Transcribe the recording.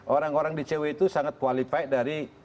orang orang di cw itu sangat qualified dari